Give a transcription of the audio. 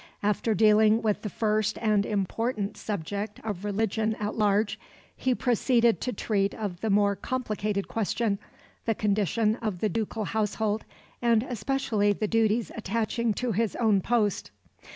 After dealing with the first and important subject of religion at large, he proceeded to treat of the more complicated question the condition of the ducal household, and especially the duties attaching to his own post.